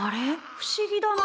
不思議だな。